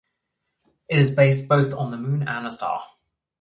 It is based on both the moon and a star.